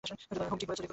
হুম, ঠিক বলেছেন!